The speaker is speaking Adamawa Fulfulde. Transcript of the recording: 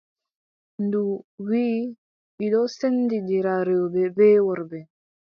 Ndu wii: mi ɗon sendindira rewɓe bee worɓe.